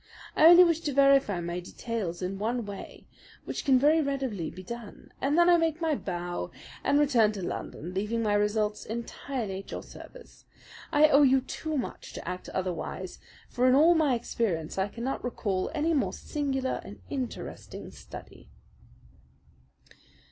I only wish to verify my details in one way, which can very readily be done, and then I make my bow and return to London, leaving my results entirely at your service. I owe you too much to act otherwise; for in all my experience I cannot recall any more singular and interesting study."